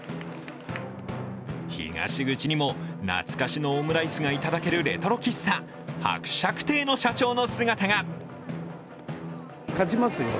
東口にも懐かしのオムライスがいただけるレトロ喫茶、伯爵邸の社長の姿が。